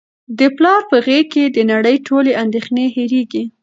د پلار په غیږ کي د نړۍ ټولې اندېښنې هیرېږي.